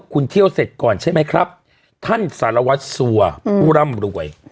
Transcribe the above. คุณเที่ยวเสร็จก่อนใช่ไหมครับท่านสารวัตรสัวผู้ร่ำรวย